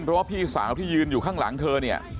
เพราะว่าพี่สาวที่ยืนอยู่ข้างหลังเธอเนี่ย